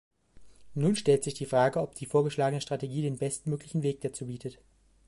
Nun stellt sich die Frage, ob die vorgeschlagene Strategie den bestmöglichen Weg dazu bietet.